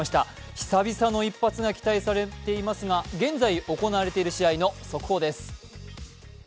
久々の一発が期待されていますが現在行われている試合の速報です。